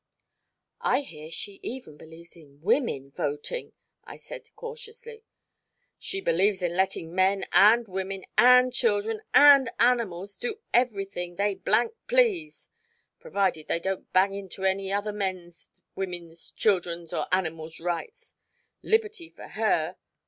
"I hear she even believes in women voting," I said cautiously. "She believes in letting men, and women, and children, and animals do everything they blank please, provided they don't bang into any other men's, women's, children's or animals' rights. Liberty for her.